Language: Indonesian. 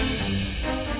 mbak ada belanja disini